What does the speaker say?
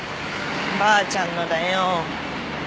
ばあちゃんのだよ。